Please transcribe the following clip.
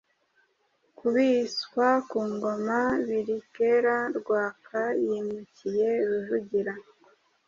Kubiswa ku ngoma biri kera rwaka yimukiye Rujugira.